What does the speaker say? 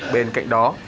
bên cạnh đó